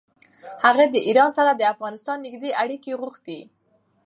هغه د ایران سره د افغانستان نېږدې اړیکې غوښتې.